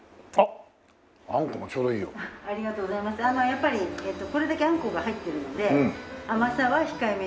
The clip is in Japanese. やっぱりこれだけあんこが入ってるので甘さは控えめになってますね。